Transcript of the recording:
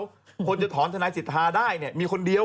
คนจะถอนทนายสิทธาได้เนี่ยมีคนเดียว